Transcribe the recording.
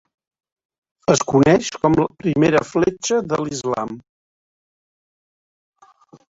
Es coneix com la primera fletxa de l'Islam.